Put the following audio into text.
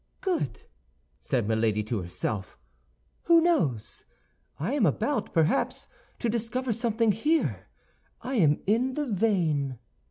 "Good!" said Milady to herself; "who knows! I am about, perhaps, to discover something here; I am in the vein."